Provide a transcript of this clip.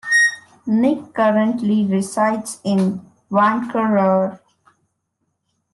Nik currently resides in Vancouver.